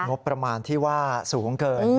งบประมาณที่ว่าสูงเกิน